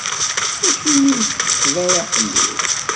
Acimi ur ttetteḍ ara aḥelluf?